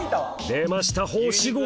出ました星５！